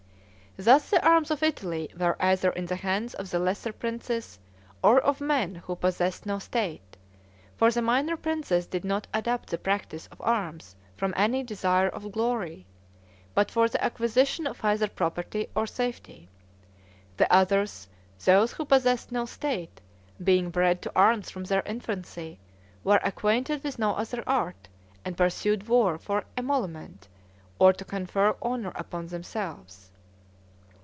Thus the arms of Italy were either in the hands of the lesser princes, or of men who possessed no state; for the minor princes did not adopt the practice of arms from any desire of glory, but for the acquisition of either property or safety. The others (those who possessed no state) being bred to arms from their infancy, were acquainted with no other art, and pursued war for emolument, or to confer honor upon themselves.